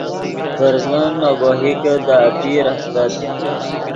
برزن نے گوہکے دے اپیر استت